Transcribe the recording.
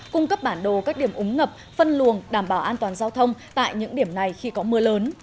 cung cấp bản đồ các điểm úng ngập phân luồng đảm bảo an toàn giao thông tại những điểm này khi có mưa lớn